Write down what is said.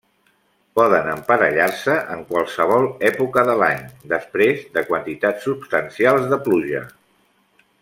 Poden emparellar-se en qualsevol època de l'any després de quantitats substancials de pluja.